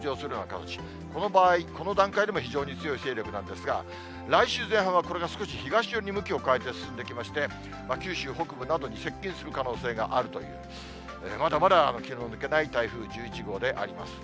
この場合、この段階でも非常に強い勢力なんですが、来週前半は、これが少し東寄りに向きを変えて、進んできまして、九州北部などに接近する可能性があるという、まだまだ気の抜けない台風１１号であります。